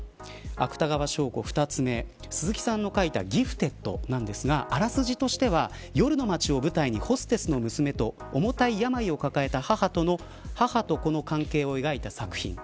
芥川賞候補、２つ目鈴木さんが書いたギフテッドですが、あらすじとしては夜の街を舞台にホステスの娘と重たい病の母と子の関係を描いた作品。